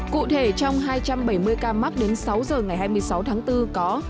cụ thể trong hai trăm bảy mươi ca mắc đến sáu giờ ngày hai mươi sáu tháng bốn có